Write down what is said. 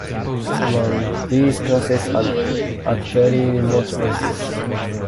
Some of these crosses are at very remote places.